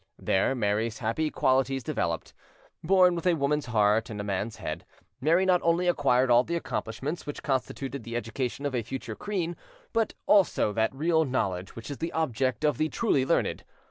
There Mary's happy qualities developed. Born with a woman's heart and a man's head, Mary not only acquired all the accomplishments which constituted the education of a future queen, but also that real knowledge which is the object of the truly learned.